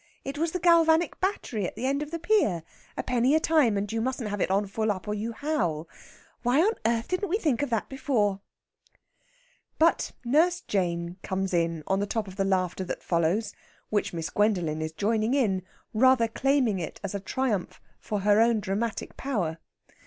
It was the galvanic battery at the end of the pier. A penny a time, and you mustn't have it on full up, or you howl. Why on earth didn't we think of that before?" But Nurse Jane comes in on the top of the laughter that follows, which Miss Gwendolen is joining in, rather claiming it as a triumph for her own dramatic power.